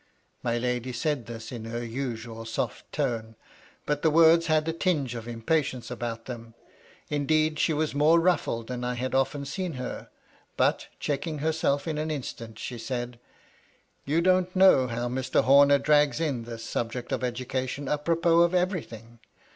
My lady said this in her usual soft tones ; but the words had a tinge of impatience about them ; indeed, she was more ruffled than I had often seen her ; but, checking herself in an instant, she said :" You don't know how Mr. Homer drags in this subject of education apropos of everything.